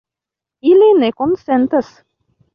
Ili ne konsentas.